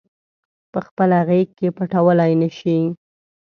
پخپله غیږ کې پټولای نه شي